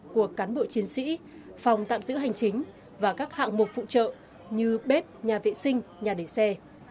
công trình cũng được đặt góp tổng bộ phòng phòng giữ hành chính và các hạng phụ trợ như bếp nhà vệ sinh nhà đẩy xe